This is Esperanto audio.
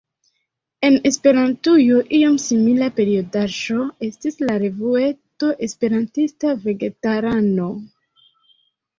En Esperantujo iom simila periodaĵo estis la revueto Esperantista Vegetarano.